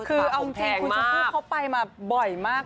คือเอาจริงคุณชมพู่เขาไปมาบ่อยมาก